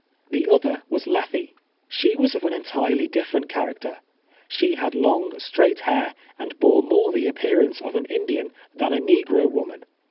The other was Lethe. She was of an entirely dilTerent character. Slie had long, straight hair, and bore more the appearance of an Lidian than a negro woman.